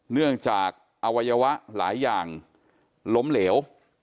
เนื่องจากอวัยวะหลายอย่างล้มเหลว